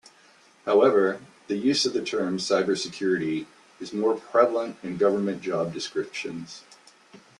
However, the use of the term "cybersecurity" is more prevalent in government job descriptions.